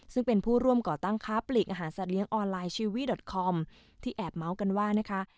ซึ่งเป็นผู้ร่วมก่อตั้งค้าปลีกอาหารสัตว์เลี้ยงออนไลน์ชิววีดอทคอมที่แอบเมาส์กันว่านะคะ